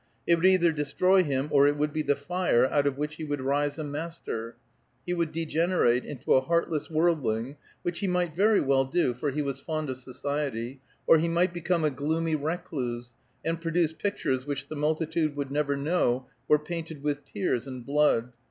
It would either destroy him or it would be the fire out of which he would rise a master; he would degenerate into a heartless worldling, which he might very well do, for he was fond of society, or he might become a gloomy recluse, and produce pictures which the multitude would never know were painted with tears and blood.